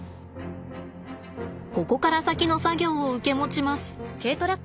ここから先の作業を受け持ちます。